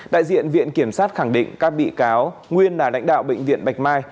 đại diện viện kiểm sát khẳng định các bị cáo nguyên là lãnh đạo bệnh viện bạch mai